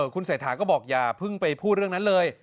คุณเศรษฐาก็บอกอย่าเพิ่งไปพูดเรื่องนั้นเลย